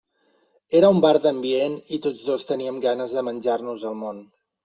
Era un bar d'ambient i tots dos teníem ganes de menjar-nos el món.